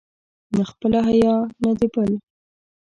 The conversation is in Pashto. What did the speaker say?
نه خپله حیا، نه د بل.